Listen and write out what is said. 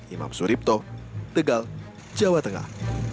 imam suripto tegal jawa tengah